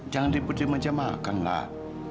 jangan ribet dia macam makan lah